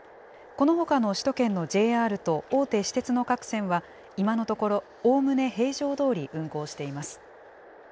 このほかの首都圏のＪＲと大手私鉄の各線は今のところ、おおむね平常どおり運行しています。